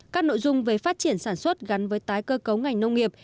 các nội dung về phát triển sản xuất gắn với tái cơ cấu ngành nông nghiệp